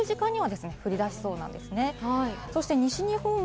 夜遅い時間帯には降り出しそうなんですね。